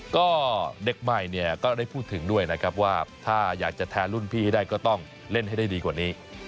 ก็เด็กใหม่เนี่ยก็ได้พูดถึงด้วยนะครับว่าถ้าอยากจะแทนรุ่นพี่ให้ได้ก็ต้องเล่นให้ได้ดีกว่านี้